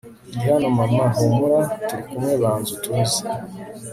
ndi hano mama humura turikumwe banzutuze